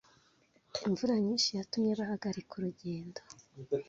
Imvura nyinshi yatumye bahagarika urugendo.